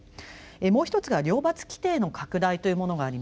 もうひとつが「両罰規定の拡大」というものがあります。